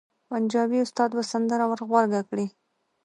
پنجابي استاد به سندره ور غبرګه کړي.